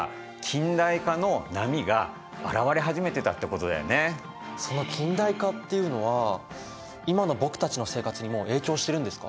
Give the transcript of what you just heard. そのだから既にその近代化っていうのは今の僕たちの生活にも影響してるんですか？